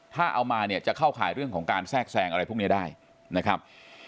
ถ้าเอามาเนี่ยจะเข้าข่ายเรื่องของการแทรกแซงอะไรพวกนี้ได้นะครับ